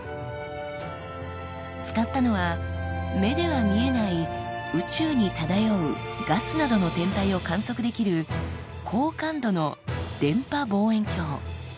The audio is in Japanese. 使ったのは目では見えない宇宙に漂うガスなどの天体を観測できる高感度の電波望遠鏡。